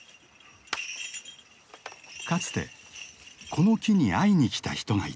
かつてこの木に会いにきた人がいた。